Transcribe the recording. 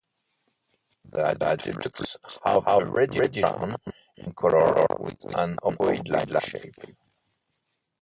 The adult flukes have a reddish-brown in color with an ovoid like shape.